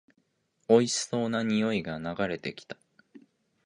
おいしそうな匂いが流れてきた